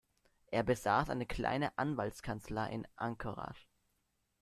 Er besaß eine kleine Anwaltskanzlei in Anchorage.